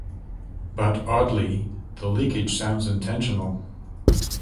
But oddly, the leakage sounds intentional.